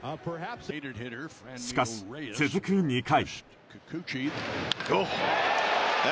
しかし、続く２回。